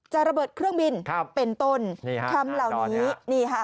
จะระเบิดเครื่องบินเป็นต้นคำเหล่านี้